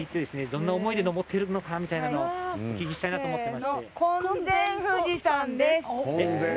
どんな思いで登ってるのかみたいなのをお聞きしたいなと思ってまして。